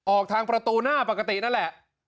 ออกทางประตูหน้าปกตินั่นแหละ